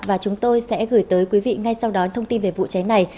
và chúng tôi sẽ gửi tới quý vị ngay sau đó thông tin về vụ cháy này